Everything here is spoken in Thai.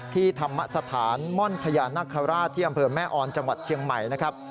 ที่ธรรมสถานม่อนพญานาคาราชที่อำเภอแม่ออนจังหวัดเชียงใหม่นะครับ